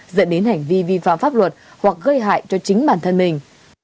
dẫn đến hành vi vi phạm pháp luật hoặc gây hại cho chính bản thân mình